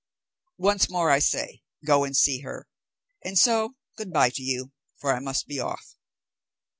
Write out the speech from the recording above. Once more I say, go and see her; and so, good bye to you, for I must be off."